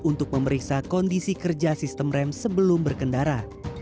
untuk memeriksa kondisi kerja sistem rem sebelum berkendara